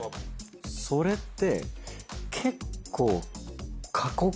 それって。